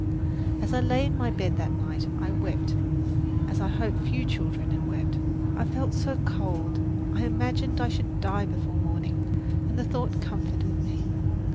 As I lay in my bed that night, I wept as I hope few children have wept. I felt so cold, I imagined I should die before morning, and the thought comforted me.